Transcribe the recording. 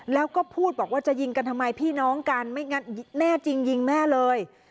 แล้วก็พูดบอกว่าจะยิงกันทำไมพี่น้องกันไม่งั้นแน่จริงยิงแม่เลย